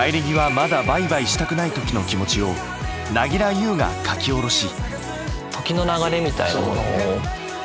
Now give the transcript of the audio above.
まだバイバイしたくない時の気持ちを凪良ゆうが書き下ろし。